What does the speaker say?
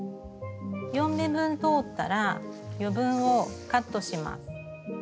４目分通ったら余分をカットします。